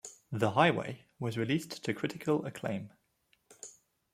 "The Highway" was released to critical acclaim.